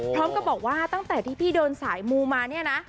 พร้อมกับบอกว่าตั้งแต่ที่พี่เดินสายมูมาเนี่ยนะ